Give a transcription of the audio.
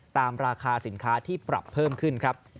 ราคาสินค้าที่ปรับเพิ่มขึ้นครับ